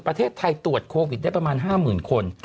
ประเทศไทยตรวจโควิดได้ประมาณ๕๐๐๐คน